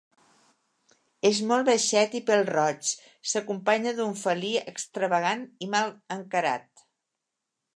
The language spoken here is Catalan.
És molt baixet i pèl-roig, s'acompanya d'un felí extravagant i mal encarat.